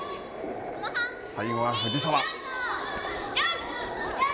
最後は藤澤。